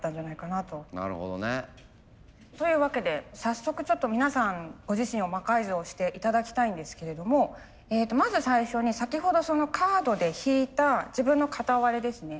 なるほどね。というわけで早速ちょっと皆さんご自身を魔改造して頂きたいんですけれどもまず最初に先ほどカードで引いた自分の片割れですね。